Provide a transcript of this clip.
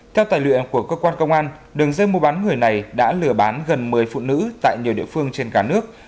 theo tài liệu của cơ quan công an đường dây mua bán người này đã lừa bán gần một mươi phụ nữ tại nhiều địa phương trên cả nước